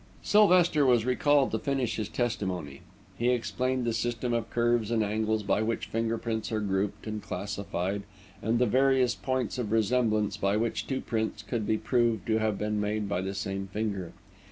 Sylvester was recalled to finish his testimony. He explained the system of curves and angles by which finger prints are grouped and classified, and the various points of resemblance by which two prints could be proved to have been made by the same finger.